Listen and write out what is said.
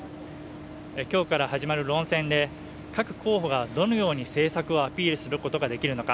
きょうから始まり論戦で各候補がどのように政策をアピールすることができるのか